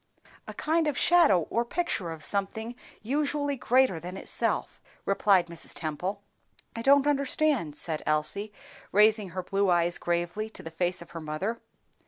"A kind of shadow or picture of something usually greater than itself," replied Mrs. Temple. "I don't understand," said Elsie, raising her blue eyes gravely to the face of her mother.